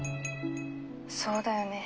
そうだよね